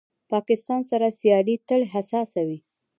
پاکستان سره سیالي تل حساسه وي.